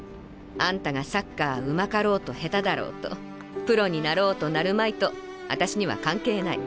あんたがサッカーうまかろうとへただろうとプロになろうとなるまいとあたしには関係ない。